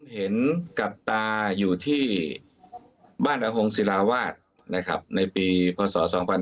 เห็นกับตาอยู่ที่บ้านอาหงษ์ศิลาวาสนะครับในปีพศ